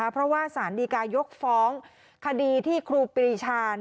เพราะว่าสารดีกายกฟ้องคดีที่ครูปรีชา